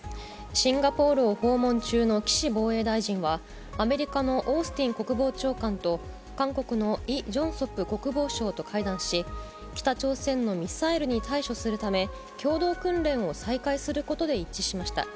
シンガポールを訪問中の岸防衛大臣はアメリカのオースティン国防長官と韓国のイ・ジョンソプ国防相と会談し、北朝鮮のミサイルに対処するため、共同訓練を再開することで一致しました。